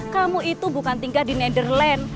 kamu itu bukan tinggal di netherland